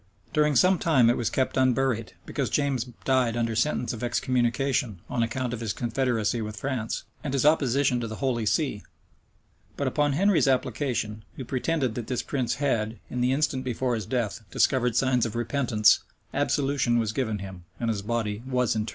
During some time it was kept unburied; because James died under sentence of ex communication, on account of his confederacy with France, and his opposition to the holy see:[] but upon Henry's application, who pretended that this prince had, in the instant before his death, discovered signs of repentance, absolution was given him, and his body was interred.